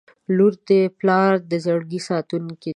• لور د پلار د زړګي ساتونکې وي.